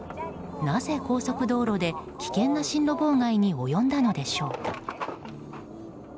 なぜ高速道路で危険な進路妨害に及んだのでしょうか。